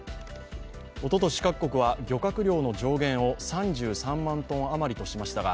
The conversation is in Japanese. おととし、各国は漁獲量の上限を３３万ｔ余りとしましたが、